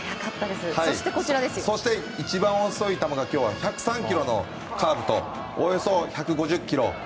そして、一番遅い球が１０３キロのカーブとおよそ５０キロ。